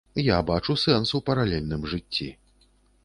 Я бачу сэнс у паралельным жыцці.